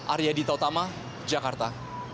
arya dita utama jakarta